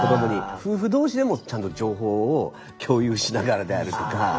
夫婦同士でもちゃんと情報を共有しながらであるとか。